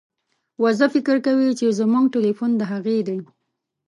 وزه فکر کوي چې زموږ ټیلیفون د هغې دی.